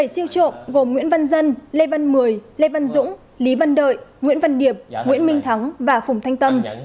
bảy siêu trộm gồm nguyễn văn dân lê văn mười lê văn dũng lý văn đợi nguyễn văn điệp nguyễn minh thắng và phùng thanh tâm